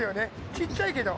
ちっちゃいけど。